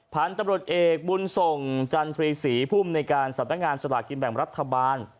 พันธุ์ตำรวจเอกบุญส่งจันทรีศรีภูมิในการสำนักงานสลากกินแบ่งรัฐบาล